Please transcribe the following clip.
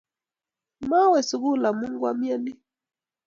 Mawe sukul amun kwa miani